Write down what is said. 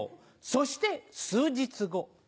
そして数日後。